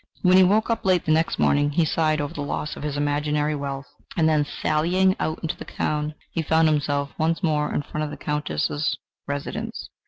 When he woke up late the next morning, he sighed over the loss of his imaginary wealth, and then sallying out into the town, he found himself once more in front of the Countess's residence.